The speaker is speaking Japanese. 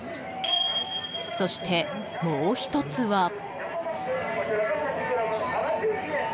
そして、もう１つは。